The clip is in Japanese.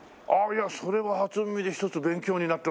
それは初耳で一つ勉強になったな。